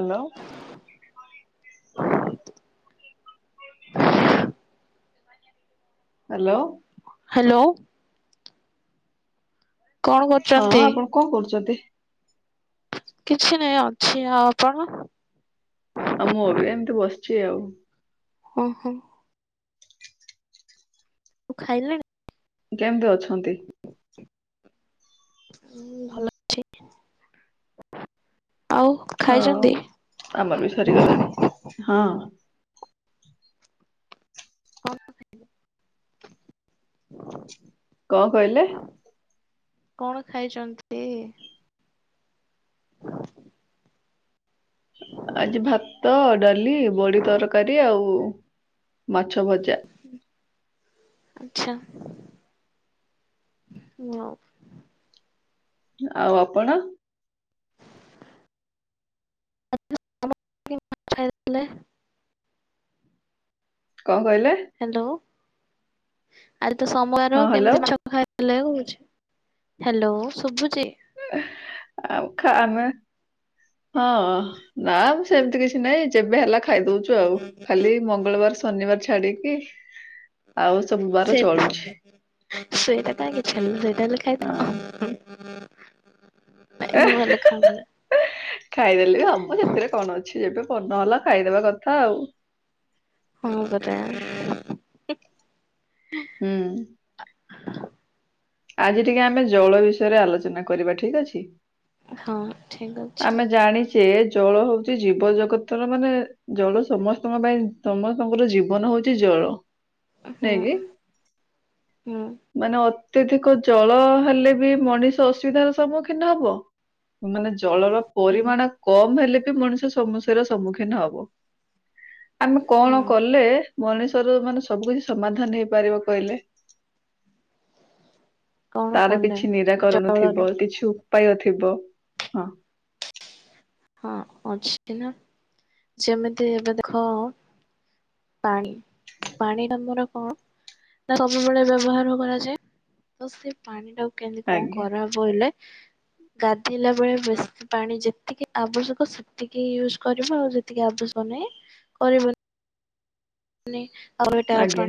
Hello. Hello. Hello କଣ ହଁ କରୁଛନ୍ତି? ଆପଣ କଣ କରୁଛନ୍ତି? କିଛି ନାହିଁ ଅଛି ଆଉପଣ? ଆଉ ମୁଁ ଏବେ ଏମିତି ବସିଛି ଆଉ। ଓ ହୋ। ତୁ ଖାଇଲାଣି। କେମତି ଅଛନ୍ତି? ହ ଭଲ ଅଛି। ଆଉ ହଁ ଖାଇଛନ୍ତି ଆମର ବି ସରିଗଲାଣି, ହଁ। [inaudible] କଣ କଇଲେ? କଣ ଖାଇଛନ୍ତି? ଆଜି ଭାତ, ଡାଲି, ବଡି ତରକାରୀ ଆଉ ମାଛ ଭଜା। ଆଛା ହ। ଆଉ ଆପଣ? [inaudible] କଣ କହିଲେ? ହ୍ୟାଲୋ ଆଜି ତ ସମୋବାର ହଁ ହ୍ୟାଲୋ କେମିତି ମିଛ ଖାଇଲେ କହୁଛି। ହ୍ୟାଲୋ ସୁଭୁ ଆଉ ହଁ ନା ମୁଁ ସେମିତି କିଛି ନାଇଁ ଯେବେ ହେଲା ଖାଇଦଉଛୁ ଆଉ ଖାଲି ମଙ୍ଗଳବାର ଶନିବାର। ଛାଡିକି। ଆଉ ସବୁ ବାର ଚଳୁଛି ହଁ [inaudible] ଏ [inaudible] ଖାଇଦେଲେ ବି ଆମର ସେଥିରେ କଣ ଅଛି ଯେବେ। ପନ ହେଲା ଖାଇଦବା କଥା ଆଉ। [inaudible] ହୁଁ। ଆଜି ଟିକେ ଆମେ ଜଳ ବିଷୟରେ ଆଲୋଚନା କରିବା ଠିକ ଅଛି। ହଁ ଠିକ୍ ଅଛି। ସେ ଜଳ ହଉଛି ଜୀବ ଜଗତର ମାନେ ଜଳ ସମସ୍ତଙ୍କ ପାଇଁ ସମସ୍ତଙ୍କର ଜୀବନ ହଉଛି ଜଳ। ହୁଁ ନାଇଁ କି ହୁଁ ମାନେ। ଅତ୍ୟଧିକ ଜଳ ହେଲେ ବି ମଣିଷ ଅସୁବିଧାର ସମ୍ମୁଖୀନ ହବ, ମାନେ ଜଳର ହୁଁ ପରିମାଣ କମ ହେଲେ। ମଣିଷ ସମସ୍ୟାର ସମ୍ମୁଖୀନ ହବ। ଆମେ କଣ ହୁଁ କଲେ? ମଣିଷର ମାନେ ସବୁ କିଛି ସମାଧାନ ହେଇପାରିବ କହିଲେ କଣ ତାର କଲେ କିଛି ନିରାକରଣ ଜଳରେ ଥିବ କିଛୁ ପାୟ ଥିବ ହଁ ହଁ ଅଛି ନା ଯେମିତି ଏବେ ଦେଖ ପାଣି ପାଣି ଆମର କଣ ନା ସବୁବେଳେ ବ୍ୟବହାର କରାଯାଏ ତ ସେ ପାଣି ଟା କେମିତି କଣ ଆଜ୍ଞା କରାହବ ହେଲେ ଗାଧେଇଲା ବେଳେ ବେଶୀ ପାଣି ଯେତିକି ଆବଶ୍ୟକ ସେତିକି ୟୁଜ୍ କରିବ ଆଉ ଯେତିକି ଆବଶ୍ୟକ ନାହିଁ କରିବନି। ମାନେ ଆଉଟାଟ ଆଜ୍ଞା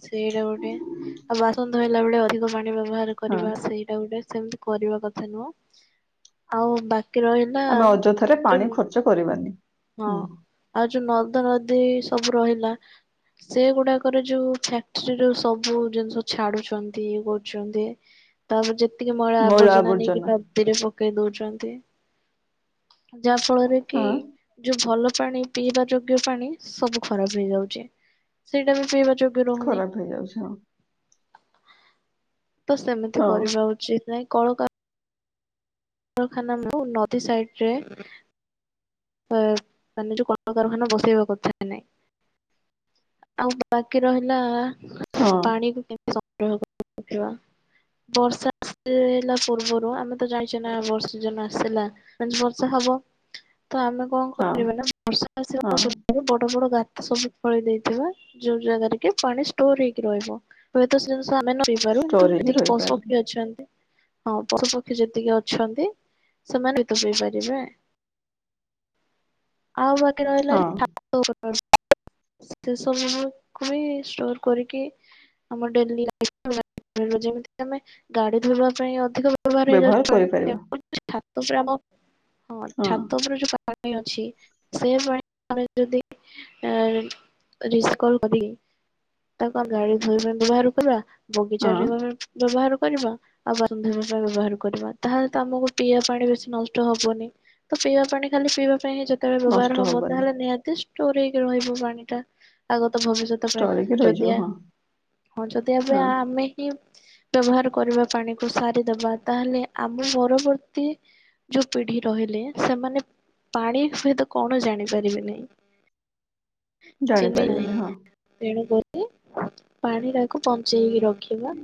ସେଇଟା ଗୋଟେ ଆଉ ବା ହଲା ବେଳେ ଅଧିକ ପାଣି ବ୍ୟବହାର ହଁ କରିବା ସେଇଟା ଗୋଟେ ସେମିତି କରିବା କଥା ନୁହଁ ଆଉ ବା ଆମେ ଅଯଥାରେ ପାଣି ଖର୍ଚ୍ଚ କରିବାନି। ହଁ ହୁଁ ଆଉ ଯୋଉ ନରଦ ନଦୀ ସବୁ ରହିଲା ସେଗୁଡାକରେ ଯୋଉ ଫ୍ୟାକ୍ଟ୍ରି ରୁ ସବୁ ଜିନିଷ ଛାଡୁଚନ୍ତି ଇ କରୁଚନ୍ତି ତାପରେ ଯେ ଟିକେ ମଳା ଆବର୍ଜନା ନେଇକି ନବଦୀରେ ପକେଇ ଦଉଚନ୍ତି। ଯାହା ଫଳରେ କି ହଁ ଯୋଉ ଭଲ ପାଣି ପିଇବା ଯୋଗ୍ୟ ପାଣି ସବୁ ଖରାପ ହେଇଯାଉଛି ସେଇଟା ବି ପିଇବା ଯୋଗ୍ୟ ରହୁନି। ଖରାପ ହେଇଯାଉଚି। ତ ସେମିତି ହଁ କରିବା ଉଚିତ ନାଇଁ। କଣ କ କଖାନା ମୁ ନଦୀ ସାଇଡରେ ମାନେ ଯୋଉଁ କଳକାରଖାନା ବସେଇବା କଥା ନାଇଁ ଆଉ ବାକି ରହିଲା ହଁ ପାଣିକୁ କେ [unintelligible] ବର୍ଷା ଆସିଲା ପୂର୍ବରୁ ଆମେ ତ ଜାଣିଛେ ନା ବର୍ଷ ଜନ ଆସିଲା ବର୍ଷା ହବ। ତ ଆମେ କଣ ହଁ କରିବା ନା ବର୍ଷା ହଁ ଆସିବାରେ ବଡ ବଡ ଗାତ ସବୁ ଫଳି ଦେଇଥିବା ଯୋଉ ଜାଗାରେ କି ପାଣି ଷ୍ଟୋର ହେଇକି ରହିବ ହୁଏତ ଆମେ ନପାରୁ ଷ୍ଟୋର କିନ୍ତୁ ହେଇକି ଯେତିକି ରହିପାରିବ ପଶୁପକ୍ଷୀ ଅଛନ୍ତି। ହଁ ପଶୁପକ୍ଷୀ ଯେତିକି ଅଛନ୍ତି ସେମାନେ ବି ତ ପିଇ ପାରିବେ। ଆଉ ବାକି ରହିଲା ହଁ [inaudible] ସେ ସବୁକୁ ବି ଷ୍ଟୋର କରିକି ଆମ ଡେଲି ଲା ଯେମିତି କି ଆମେ ଗାଡି ଧୋଇବା ପାଇଁ ବ୍ୟବହାର କରିପାରିବା। ତା ପରେ ଆମ ହଁ ଛାତ ଉପରେ ଯଉ ପାଣି ଅଛି ସେ ପାଣି ଯଦି [unintelligible] ବ୍ୟବହାର କରିବା ବଗିଚା ହଁ ମାନେ ବ୍ୟବହାର କରିବା ଆଉ ବା ବ୍ୟବହାର କରିବା ତାହେଲେ ଆମକୁ ପିଇବା ପାଣି ବେଶୀ ନଷ୍ଟ ହବନି। ତ ପିଇବା ପାଣି ଖାଲି ପିଇବା। ପାଇଁ ହଁ ଯେତେବେଳେ ନଷ୍ଟ ବ୍ୟବହାର ହବ ହବନି ତାହେଲେ ନିହାତି ଷ୍ଟୋର ହେଇକି ରହିବ ପାଣି ଟା ଆଗ ଭବିଷ୍ୟତ ପାଇଁ ଷ୍ଟୋର ହେଇକି ରହିଯିବ ଯଦିଆ ହଁ ହଁ ଯଦି ଏବେ ହଁ ଆମେ ହିଁ ବ୍ୟବହାର କରିବା ପାଣିକୁ ସାରିଦବା ତାହେଲେ ଆମ ପରବର୍ତ୍ତୀ ଯୋଉ ପିଢି ରହିଲେ ସେମାନେ ପାଣି ସହିତ କଣ ଜାଣିପାରିବେ ନାହିଁ। ଚିନି ଜାଣିପାରିବେନି ହଁ ନାଇଁ ତେଣୁ କରି ପାଣି ଟାକୁ ବଞ୍ଚେଇକି ରଖିବା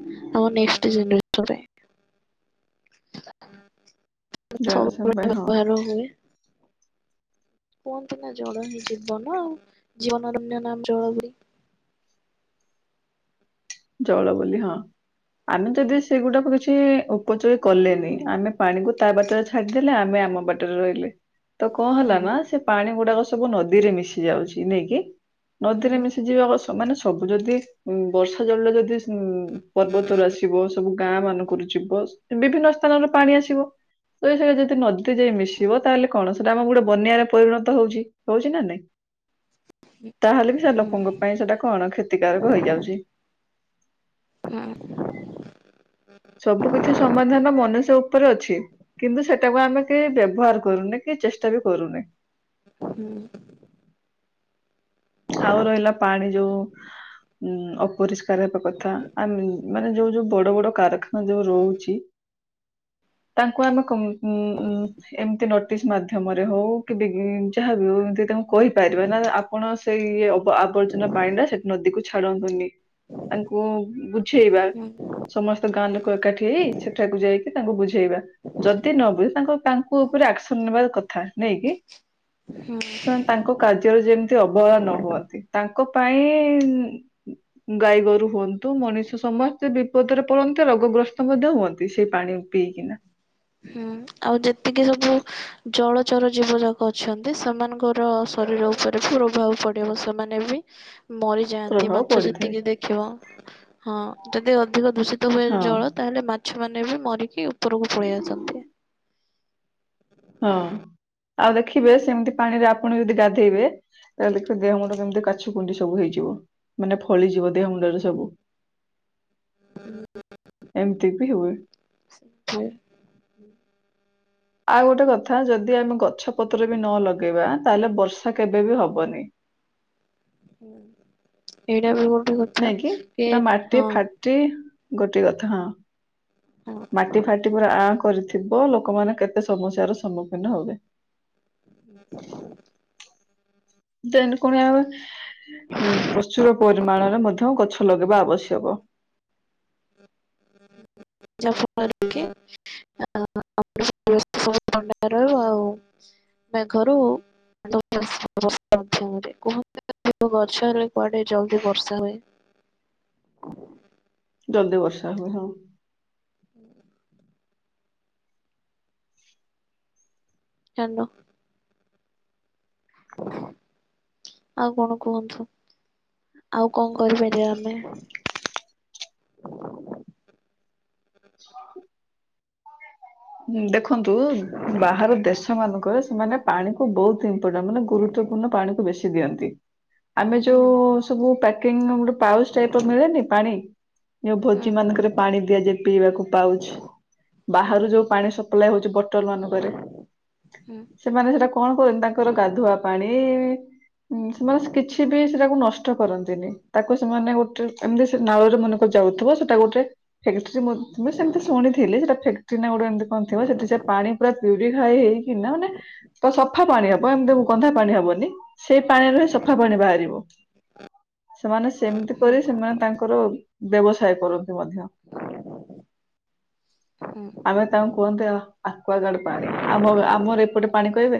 ଆମ ନେକ୍ସଟ ଜେନେରେସନ ପାଇଁ ହୁଁ [unintelligible] ଜୟ ସା ଭାଇ ହଁ। କୁହନ୍ତି ନା ଜଳ ହିଁ ଜୀବନ ଆଉ ଜୀବନ [unintelligible] ନାମ ଜଳ ଜଳ ବୋଲି ହଁ। ଆମେ ଯଦି ସେଗୁଡାକ କିଛି ସେ ଉପଯୋଗ କଲେନି ଆମେ ପାଣିକୁ ତା ବାଟରେ ଛାଡିଦେଲେ ଆମେ ଆମ ବାଟରେ ରହିଲେ। ତ କଣ ହେଲା ନା ସେ ପାଣି ଗୁଡାକ ସବୁ ନଦୀରେ ମିଶି ଯାଉଛି ନେଇକି ନଦୀରେ ମିଶି ଯିବାକୁ ମାନେ ସବୁ ଯଦି ଗ ଜଳ ଯଦି ପର୍ବତ ର ଆସିବ ସବୁ ଗାଁ ମାନଙ୍କରୁ ଯିବ ବିଭିନ୍ନ ସ୍ଥାନରେ ପାଣି ଆସିବ ସେସ ଯଦି ନଦୀଟି ଯାଇ ମିଶିବ ତାହେଲେ କଣ ସେଟା ଆମ ଗୋଟେ ବନ୍ୟାରେ ପରିଣତ ହଉଛି ହଉଛି ନା ନାଇଁ ତାହେଲେ ବି ସେ ଲୋକଙ୍କ ପାଇଁ ସେଟା କଣ କ୍ଷତିକାରକ ହେଇଯାଉଛି ହ ସବୁ କିଛି ସମାଧାନ ମନୁଷ୍ୟ ଉପରେ ଅଛି କିନ୍ତୁ ସେଟାକୁ ଆମେ କେହି ବ୍ୟବହାର କରୁନି କି ଚେଷ୍ଟା ବି କରୁନି ହୁଁ ଆଉ ରହିଲା ପାଣି ଯୋଉ ଉଁ ଅପରିଷ୍କାର ହେବା କଥା ଆ ମାନେ ଯୋଉ ଯୋଉ ବଡ ବଡ କାରଖାନା ଯୋଉ ରହୁଛି ତାଙ୍କୁ ଆମେ ଁ ଏମତି ନ ମଧ୍ୟମରେ ହଉ କି ବି ଯାହା ବିଉ ତା କହିପାର ନା ଆପଣ ସେ ଆବର୍ଜନା ପାଣିରେ ସେଠ ନଦୀକୁ ଛାଡନ୍ତୁନି। ତାଙ୍କୁ ବୁଝେଇବା ହୁଁ ସମସ୍ତ ଗାଁ ଲୋକ। ଏଟି ସେଠାକୁ ଯାଇ। ତାଙ୍କୁ ବୁଝି। ବୁଝେଇବା ଯଦି ନ ବୁଝେ ତାଙ୍କ। ପୁ ଉପରେ ଆକ୍ସନ ନେବାର କଥା ନେଇକି। ହୁଁ। ସେମାନେ ତାଙ୍କ କାର୍ଯ୍ୟରେ ଯେମିତି ଅବହେଳା ନ ହୁଅନ୍ତି ତାଙ୍କ ପାଇଁ। ଗାଈ ଗୋରୁ ହୁଅ। ନ୍ତୁ ମଣିଷ ସମସ୍ତେ। ବିପଦରେ ପଡ଼ନ୍ତି। ରୋଗ ଗ୍ରସ୍ତ ମଧ୍ୟ ହୁଅନ୍ତି ସେଇ ପାଣି ପିଇକିନା। ହୁଁ ଆଉ ଯେତିକି ସବୁ ଜଳଚର ଜୀବ ଯାକ ଅଛନ୍ତି ସେମାନଙ୍କର ଶରୀର ଉପରେ ବି ପ୍ରଭାବ ପଡିବ ସେମାନେ ବି। ମରିଯାଆନ୍ତି ପ୍ରଭାବ ମାଛ ପଡିଥାଏ ଯେତିକି ଦେଖିବ ହଁ। ଯଦି ଅଧିକ ଦୁ। ହୁଏ ହଁ ଜଳ ତାହେଲେ। ମାଛ ମାନେ ବି ମରିକି ଉପରକୁ ପଳେଇଆସନ୍ତି। ଛନ୍ତି। ହଁ। ଆଉ ଦେଖିବେ ସେମିତି ପାଣିରେ ଆପଣ ଯଦି ଗାଧେଇବେ ତାେଲେ ଦେଖିବେ ଦେହ ମୁଣ୍ଡ କେମିତି କାଛୁ କୁଣ୍ଡି ସବୁ ହେଇଯିବ ମାନେ ଫଳିଯିବ ଦେହ ମୁଣ୍ଡରେ ସବୁ। ଏମିତି ବି ହୁଏ। ଆଉ ଗୋଟେ କଥା ଯଦି ଆମେ କଥା। ଗଛ ପତ୍ର ବି ନ ଲଗେଇବା। ତାହଲେ ବର୍ଷା କେବେ ବି ହବନି। ଏଇଟା ବି। କଥା ନାଇଁ କି ପୁରା ମାଟି ହଁ ଫାଟି। ଗୋଟେ କଥା ହଁ। ହଁ ମାଟି ଫାଟି ପୁରା ଆ କରିଥିବ ଲୋକମାନେ କେତେ। ତେ ସମସ୍ୟାର ସମ୍ମୁଖୀନ ହେବେ। [unintelligible] ଦେନ୍। ପ୍ରଚୁର ପରିମାଣରେ ମଧ୍ୟ। ମଧ୍ୟ ଗଛ ଲଗେଇବା ଆବଶ୍ୟକ। ଯାହାଫଳରେ ବର୍ଷା ହୁଏ। ଜଲଦି ବର୍ଷା ହୁଏ ହଁ। [unintelligible] ଆଉ କଣ କୁହନ୍ତୁ ଆଉ କଣ କରିପାରିବା ଆମେ। ଦେଖନ୍ତୁ ବାହାର ଦେଶ ମାନଙ୍କରେ ସେମାନେ ପାଣି କୁ ବହୁତ ଇମ୍ପୋର୍ଟାଣ୍ଟ ମାନେ ଗୁରୁତ୍ୱପୂର୍ଣ୍ଣ ପାଣିକୁ ବେଶୀ ଦିଅନ୍ତି। ଆମେ ହୁଁ ଯୋଉ ସବୁ ପା [unintelligible] ପାଉଚ୍‌ ଟାଇପ୍ ର ମିଳେନି ପାଣି ଯୋଉ ହୁଁ ଭୋଜି ମାନଙ୍କରେ ପାଣି ଦିଆଯାଏ ପିଇବାକୁ ପାଉଚ୍ ହୁଁ ବାହାରୁ ଯୋଉ ସପ୍ଲାଏ ହଉଛି ବଟଲ ମାନଙ୍କରେ ହୁଁ ସେମାନେ ସେଟା କଣ କରନ୍ତି ତାଙ୍କର ଗାଧୁଆ ପାଣି ହୁଁ। ହୁଁ ସେମାନେ ସେ କିଛି ବି ସେଟାକୁ ନଷ୍ ଷ୍ଟ କରନ୍ତିନି ତାକୁ ସେମାନେ ଗୋଟେ ଏମିତି ସେ ନାଳରେ ମନେକର ଯାଉଥିବ ସେଟା ଗୋଟେ ଯେ ମୁଁ ମୁଁ ସେମିତି ଶୁଣିଥିଲି ସେଟା ଫେକ୍ [unintelligible] ହଁ ଥିବ ସେଠି ସେ ପାଣି ପୁରା ପ୍ୟୁରିଫାଇ ହେଇକି ନା ମାନେ ପ ସଫା ପାଣି ହବ ଏମିତି ଗନ୍ଧା ପାଣି ହବନି ସେଇ ପାଣିରୁ ହି ସଫା ପାଣି ବାହାରିବ। ସେମାନେ ସେମିତି ହୁଁ କରି ସେମାନେ ତାଙ୍କର ବ୍ୟବସାୟ କରନ୍ତୁ। ହୁଁ। ତ୍ୟ ଆକ୍ୱାଗାର୍ଡ଼ ପାଣି ଆମ ଆମର ଏପଟେ ପାଣି କହିବେ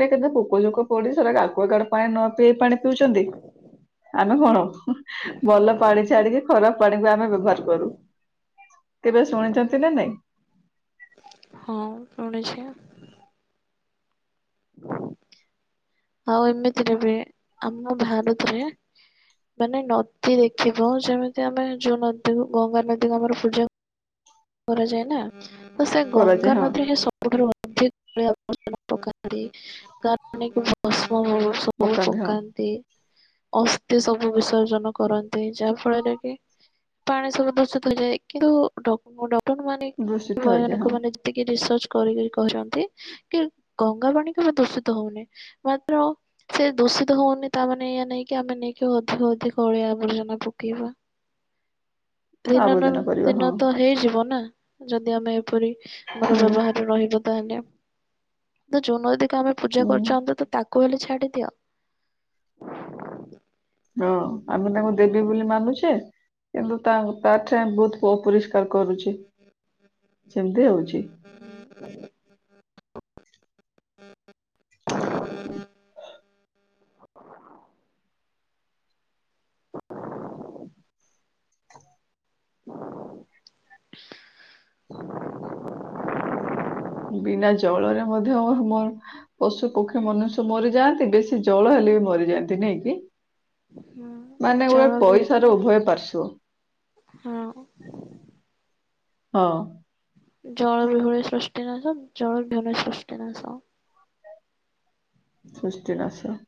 ଏଇଟାତ ପୋକୋଯୋକ। ପୋଡ଼ିଶର ଆକ୍ବାଗାର୍ଡ଼ ପାଣି ନ ପିଇ ପାଣି ପିଉଛନ୍ତି। ଆମେ କଣ? ହୁଁ ଭଲ ପାଣି ଛାଡ଼ିକି ଖରାପ ପାଣିକୁ ଆମେ ବ୍ୟବହାର କରୁ କେବେ ହୁଁ ଶୁଣିଛନ୍ତି ନା ନାଇଁ? ହଁ ଶୁଣିଛି। [inaudible] ଆଉ ଏମିତିରେ ବି ଆମ ଭାରତରେ ମାନେ ନଦୀ ଦେଖିବ ଯେମିତି ଆମେ ଯୋଉ ନଦୀକୁ ଗଙ୍ଗା ନଦୀ ଭାବରେ ପୂଜା କରାଯାଏ ନା ତ ସେ କରାଯାଏ ଗଙ୍ଗା ହଁ ନଦୀରେ ସବୁଠାରୁ ଅଧିକ [inaudible] ପକାନ୍। [inaudible] ବ ସବୁ ପକାନ୍ତି। ଅସ୍ଥି ସବୁ ବିର୍ସଜ ନ କରନ୍ତି ଯାହା ଫଳରେ କି ପାଣି ସବୁ ଦୂଷିତ ହେଇଯାଏ, କିନ୍ତୁ ଡ ଡ ମାନେ ଦୂଷିତ ହେଇଯାଏ ହଁ ବଜ୍ଞାନିକ ମାନେ ଯେତିକି ରିସର୍ଚ କରିକି କହିଛନ୍ତି କି ଗଙ୍ଗା ପାଣି କେବେ ଦୂଷିତ ହଉନି ମାତ୍ର ସେ ଦୂଷିତ ହଉନି ତାମାନେ ଏଇଆ ନେଇକି ଆମେ ନେଇକି ଅଧିକ ଅଧିକ ଅଳିଆ ଆବର୍ଜନା ପକେଇବା। ଦିନ ନନ୍‌ ଆବର୍ଜନା କରିବା ଦିନ ହଁ ତ ବ ନା ଯଦି ଆମେ ପରି ଆମର ହୁଁ ବ୍ୟବହାର ରହିବ ତାହେଲେ ତ ଜୁନଦୀ ତମେ ପୂଜା ହୁଁ କରୁଛନ୍ତ ତ ତାକୁ ମୁଁ କହିଲି ଛାଡିଦିଅ। ହଁ ଆମେ ତାଙ୍କୁ ଦେବୀ ବୋଲି ମାନୁଛେ, କିନ୍ତୁ ତା ତାଠା ବହୁତ କୋପରିଷ୍କାର କରୁଛି। ସେମ୍ ତି ହଉଛି। [inaudible] [inaudible] ବିନା ଜଳରେ ମଧ୍ୟ ମୋର ମୋର ପଶୁ ପକ୍ଷୀ ମନୁଷ୍ୟ ମରିଯାଆନ୍ତି, ବେଶୀ ଜଳ ହେଲେ ବି ମରିଯାଆନ୍ତି, ନାଇଁ କି? ମାନେ ଜଳ ଓୟେ ପଇସାର ବିହୁରି ଉଭୟ ପାଶ୍ୱ। ହଁ। ହଁ। ଜଳ ବିହୁଳ ସୃଷ୍ଟି ନାଶ, ଜଳ ବିହନେ ସୃଷ୍ଟି ନାଶ। ସୃଷ୍ଟିନାଶ।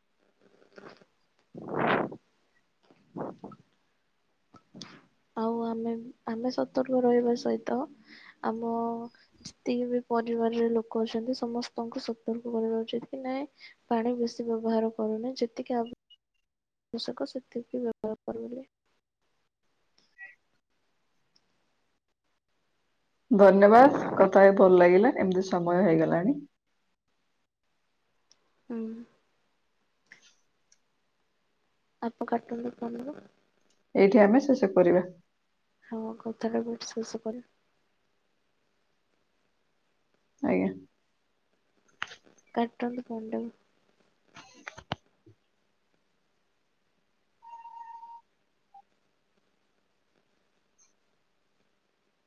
ଆଉ ଆମେ, ଆମେ ସତର୍କ ରହିବା ସହିତ ଆମ ଯେତିକି ବି ପରିବାରରେ ଲୋକ ଅଛନ୍ତି ସମସ୍ତଙ୍କୁ ଆଉ ଆଉ ଆମେ ଆମେ ସତର୍କ ରହିବା ସହିତ ଆମ ଯେ ତିକିବି କି ବି ପରିବାରରେ ଲୋକ ଅଛନ୍ତି ସମସ୍ତଙ୍କୁ ସତର୍କ କରିବା ଉଚିତ୍ ଯେ ପାଣି ବେଶୀ ବ୍ୟବହାର କରନି, ଯେତିକି ଆବ ଶ୍ୟକ ସେତିକି ବ୍ୟବହାର କରିବେ। ଧନ୍ୟବାଦ, କଥା ହେଇ ଭଲ ଲାଗିଲା, ଏମିତି ସମୟ ହେଇଗଲାଣି। ହୁଁ। ଆପ କଟନ୍ତୁ ପୋନରୁ ଏଇଠି ଆମେ ଶେଷ କରିବା। ହଁ, କଥା ବି ଏଇଠି ଶେଷ କର। ଆଜ୍ଞା। କାଟନ୍ତୁ ଫୋନ୍ ଟାକୁ।